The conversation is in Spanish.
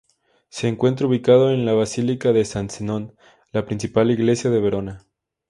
Se encuentra ubicado en la Basílica de San Zenón, la principal iglesia de Verona.